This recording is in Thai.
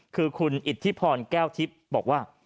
คือคุณอิทธิพรแก้วทิพย์บอกว่า